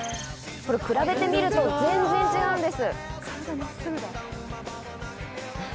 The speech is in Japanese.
比べてみると全然違うんです。